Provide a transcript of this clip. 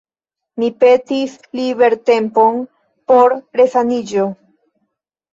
Mi petis libertempon por resaniĝo.